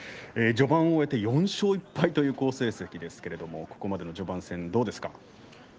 序盤を終えて４勝１敗という好成績ですけれども、ここまでの序盤戦どうですか。